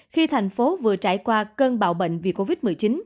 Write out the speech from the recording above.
khi thành phố vừa trải qua cơn bão bệnh vì covid một mươi chín